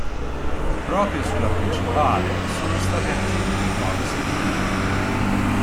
Proprio sulla principale sono stati aggiunti nuovi seggiolini.